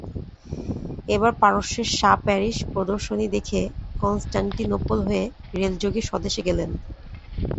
এবার পারস্যের শা প্যারিশ প্রদর্শনী দেখে কনষ্টাণ্টিনোপল হয়ে রেলযোগে স্বদেশে গেলেন।